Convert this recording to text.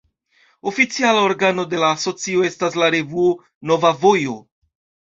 Oficiala organo de la asocio estas la revuo "Nova Vojo".